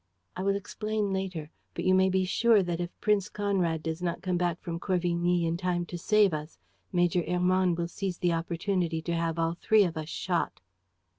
"'I will explain later. But you may be sure that if Prince Conrad does not come back from Corvigny in time to save us, Major Hermann will seize the opportunity to have all three of us shot.